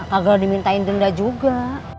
kagak dimintain denda juga